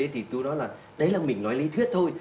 thì tôi nói là đấy là mình nói lý thuyết thôi